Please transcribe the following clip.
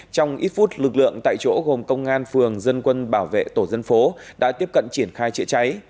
trong ít phút lực lượng tại chỗ gồm công an phường dân quân bảo vệ tổ dân phố đã tiếp cận triển khai chữa cháy